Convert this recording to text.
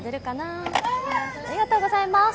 ありがとうございます。